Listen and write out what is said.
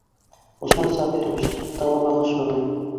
Усман Сабирович, тыңламағыҙ шуны!